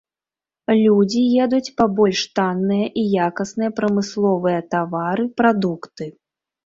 Людзі едуць па больш танныя і якасныя прамысловыя тавары, прадукты.